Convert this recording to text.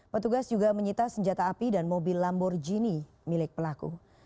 petugas juga menyita senjata api dan mobil lamborghini milik pelaku